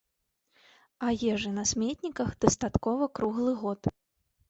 А ежы на сметніках дастаткова круглы год.